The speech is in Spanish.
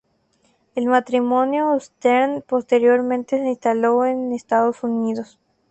El matrimonio Stern posteriormente se instaló en Estados Unidos.